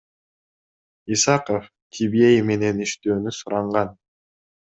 Исаков ТВЕА менен иштөөнү суранган.